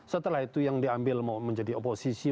setelah itu yang diambil mau menjadi oposisi